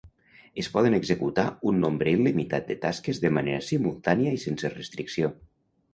Es poden executar un nombre il·limitat de tasques de manera simultània i sense restricció.